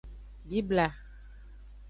Bibla.